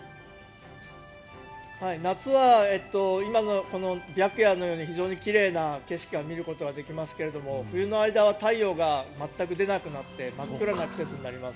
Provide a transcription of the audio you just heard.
夏は今の白夜のように非常に奇麗な景色を見ることができますが冬の間は太陽が全く出なくなって真っ暗な季節になります。